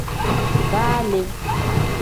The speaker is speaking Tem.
Baa le.